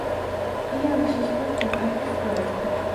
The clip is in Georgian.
იავის ზღვის ჯაკარტის ყურესთან.